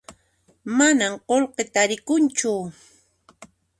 Manan qullqi tarikunchu